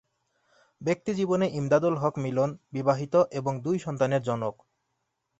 ব্যক্তিজীবনে ইমদাদুল হক মিলন বিবাহিত এবং দুই সন্তানের জনক।